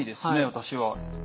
私は。